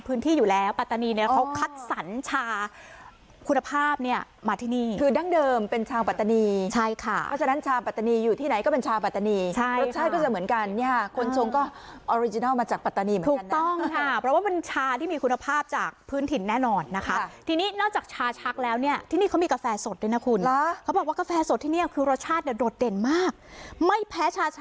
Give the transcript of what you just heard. พื้นที่อยู่แล้วปัตตานีเนี่ยเขาคัดสรรชาคุณภาพเนี่ยมาที่นี่คือดั้งเดิมเป็นชาปัตตานีใช่ค่ะเพราะฉะนั้นชาปัตตานีอยู่ที่ไหนก็เป็นชาปัตตานีใช่ค่ะรสชาติก็จะเหมือนกันเนี่ยคนชงก็ออริจินัลมาจากปัตตานีเหมือนกันนะถูกต้องค่ะเพราะว่าเป็นชาที่มีคุณภาพจากพื้นถิ่นแน่นอนนะคะทีนี้นอกจากชาช